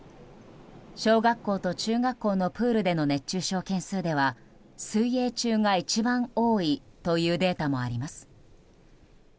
小学校と中学校のプールでの熱中症件数では水泳中が一番多いというデータもあります。